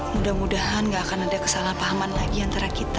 mudah mudahan gak akan ada kesalahpahaman lagi antara kita